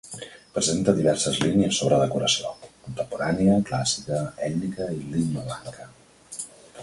Presenta diverses línies sobre decoració: contemporània, clàssica, ètnica i línia blanca.